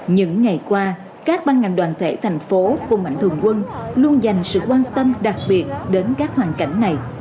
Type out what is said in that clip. những ngày qua các ban ngành đoàn thể thành phố cùng mạnh thường quân luôn dành sự quan tâm đặc biệt đến các hoàn cảnh này